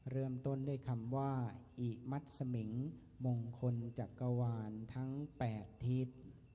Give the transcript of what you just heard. เริ่มต้นด้วยคำว่าอิมัติสมิงมงคลจักรวาลทั้ง๘ทิศ